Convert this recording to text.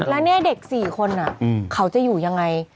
แล้วเนี่ยเด็ก๔คนเขาจะอยู่ยังไง